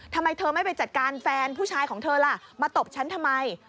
ทำไมเธอไม่ไปจัดการแฟนผู้ชายของเธอล่ะมาตบฉันทำไม